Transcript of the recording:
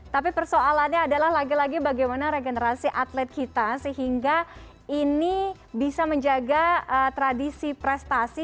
tapi persoalannya adalah lagi lagi bagaimana regenerasi atlet kita sehingga ini bisa menjaga tradisi prestasi